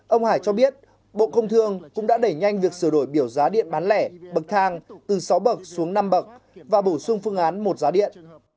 ông hải cho biết bộ công thương cũng đã đẩy nhanh việc sửa đổi biểu giá điện bán lẻ bậc thang từ sáu bậc xuống năm bậc và bổ sung phương án một giá điện